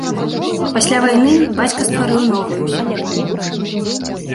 Пасля вайны бацька стварыў новаю сям'ю.